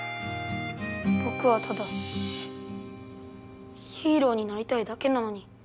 ぼくはただヒーローになりたいだけなのに。